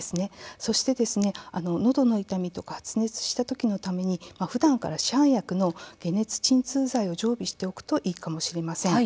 そして、のどの痛みとか発熱した時のためにふだんから市販薬の解熱鎮痛剤を常備しておくといいかもしれません。